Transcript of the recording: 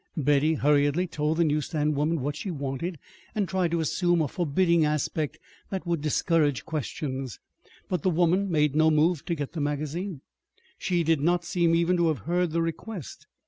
Betty hurriedly told the newsstand woman what she wanted, and tried to assume a forbidding aspect that would discourage questions. But the woman made no move to get the magazine. She did not seem even to have heard the request.